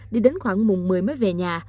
đi đến khoảng mùng một mươi mới về nhà